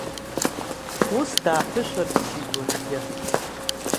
Ус дааԥышәырччеит уажәгьы.